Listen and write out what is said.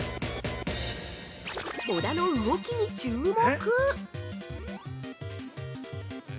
小田の動きに注目